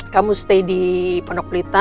kamu stay di pondok prita